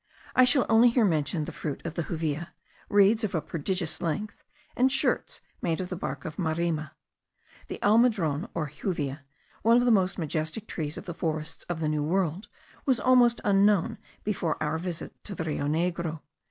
I shall only here mention the fruit of the juvia, reeds of a prodigious length, and shirts made of the bark of marima. The almendron, or juvia, one of the most majestic trees of the forests of the New World, was almost unknown before our visit to the Rio Negro.